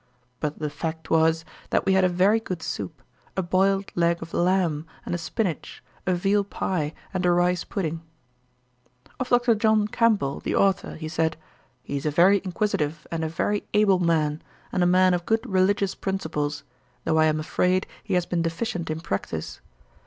But the fact was, that we had a very good soup, a boiled leg of lamb and spinach, a veal pye, and a rice pudding. Of Dr. John Campbell, the authour, he said, 'He is a very inquisitive and a very able man, and a man of good religious principles, though I am afraid he has been deficient in practice.